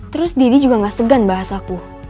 terus diri juga gak segan bahasaku